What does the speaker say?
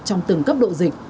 trong từng cấp độ dịch